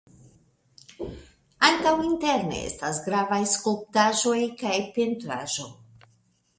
Ankaŭ interne estas gravaj skulptaĵoj kaj pentraĵo.